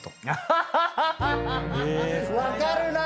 分かるな！